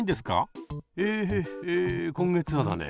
え今月はだね